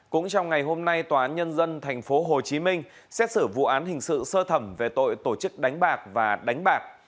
cũng trong ngày hôm nay tòa án nhân dân tp hcm xét xử vụ án hình sự sơ thẩm về tội tổ chức đánh bạc và đánh bạc